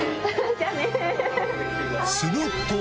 すると。